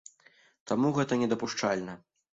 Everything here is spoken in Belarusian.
Таму гэта не дапушчальна.